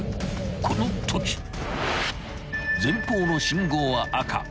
［このとき前方の信号は赤］